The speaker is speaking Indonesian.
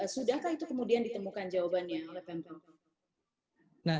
sudahkah itu kemudian ditemukan jawabannya oleh pembangunan